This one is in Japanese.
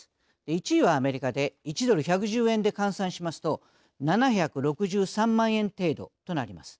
１位はアメリカで１ドル１１０円で換算しますと７６３万円程度となります。